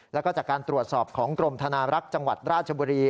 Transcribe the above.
แล้วก็จากการตรวจสอบของกรมธนารักษ์จังหวัดราชบุรี